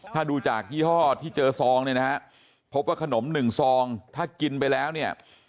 ถ้าดูจากยี่ห้อที่เจอซองเนี่ยนะฮะพบว่าขนมหนึ่งซองถ้ากินไปแล้วเนี่ย